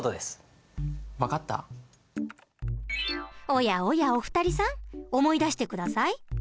おやおやお二人さん思い出して下さい。